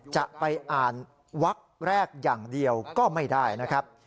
จะไปอ่านวักแรกอย่างเดียวก็ไม่ได้นะครับ